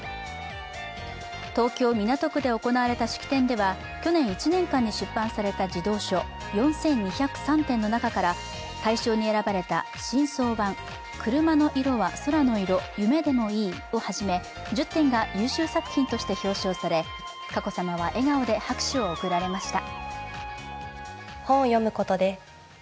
東京・港区で行われた式典では去年１年間に出版された児童書４２０３点の中から大賞に選ばれた「新装版車のいろは空のいろゆめでもいい」を初め１０点が優秀作品として表彰され佳子さまは笑顔で拍手を送られました。